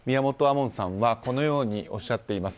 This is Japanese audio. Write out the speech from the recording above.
門さんはこのようにおっしゃっています。